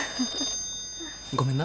☎ごめんな。